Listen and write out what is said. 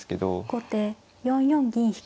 後手４四銀引。